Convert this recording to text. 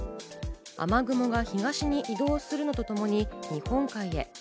雨雲が東に移動するのと同じに日本海へ。